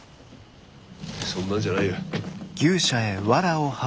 そんなんじゃないよ。